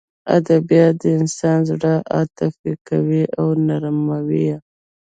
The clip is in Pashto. ادبیات د انسان زړه عاطفي کوي او نرموي یې